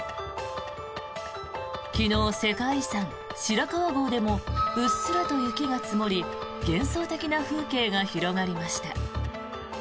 昨日、世界遺産・白川郷でもうっすらと雪が積もり幻想的な風景が広がりました。